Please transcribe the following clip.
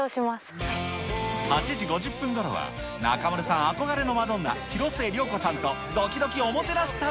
８時５０分ごろは、中丸さん憧れのマドンナ、広末涼子さんとどきどきおもてなし旅。